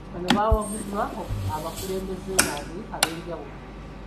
Bano baawagiddwa abakulembeze baabwe ab'enjawulo.